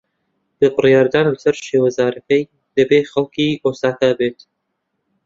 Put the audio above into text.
بە بڕیاردان لەسەر شێوەزارەکەی، دەبێت خەڵکی ئۆساکا بێت.